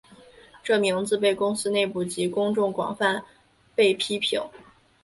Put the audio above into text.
这名字被公司内部及公众广泛被批评。